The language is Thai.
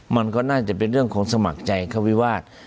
มันก็น่าจะเป็นเรื่องของสมัครใจเข้าวิวาส